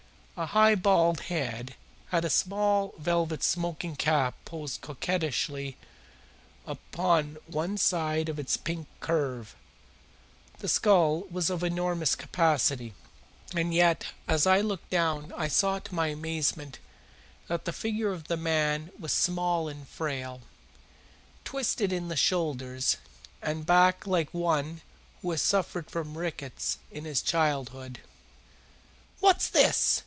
A high bald head had a small velvet smoking cap poised coquettishly upon one side of its pink curve. The skull was of enormous capacity, and yet as I looked down I saw to my amazement that the figure of the man was small and frail, twisted in the shoulders and back like one who has suffered from rickets in his childhood. "What's this?"